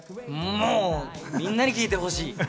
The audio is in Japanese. もう、みんなに聴いてほしい。